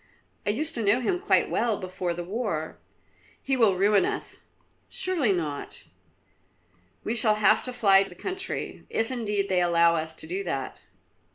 I used to know him quite well before the war." "He will ruin us." "Surely not." "We shall have to fly the country, if indeed they allow us to do that."